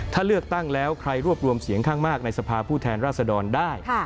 ถ้าเลือกตั้งแล้วใครรวบรวมเสียงข้างมากในสภาผู้แทนราษดรได้